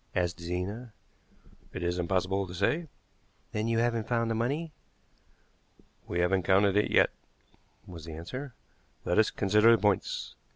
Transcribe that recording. asked Zena. "It is impossible to say." "Then you haven't found the money?" "We haven't counted it yet," was the answer. "Let as consider the points.